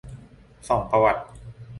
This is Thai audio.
ส่องประวัติ